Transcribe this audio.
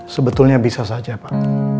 sebetulnya bisa saja pak